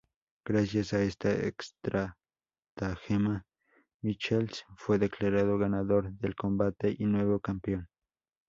Gracias a esta estratagema, Michaels fue declarado ganador del combate y nuevo campeón.